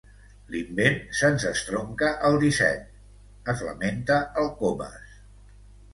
L'invent se'ns estronca el disset —es lamenta el Comas.